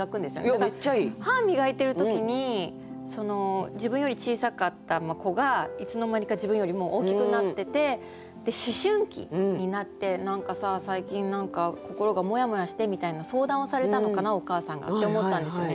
だから歯磨いている時に自分より小さかった子がいつの間にか自分よりもう大きくなってて思春期になって「何かさ最近何か心がモヤモヤして」みたいな相談をされたのかなお母さんがって思ったんですよね。